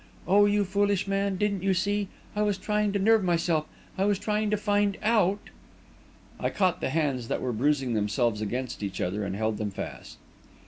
Oh, you foolish man, didn't you see I was trying to nerve myself I was trying to find out...." I caught the hands that were bruising themselves against each other and held them fast.